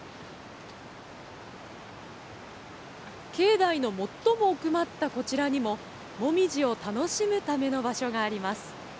境内の最も奥まったこちらにも、モミジを楽しむための場所があります。